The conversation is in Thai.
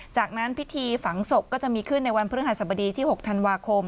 จากนั้นพิธีฝังศพก็จะมีขึ้นในวันพฤหัสบดีที่๖ธันวาคม